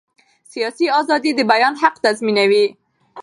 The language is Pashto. سیاسي ازادي د بیان حق تضمینوي